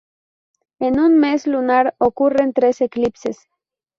En un mes lunar ocurren tres eclipses.